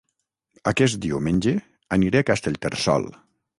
Aquest diumenge aniré a Castellterçol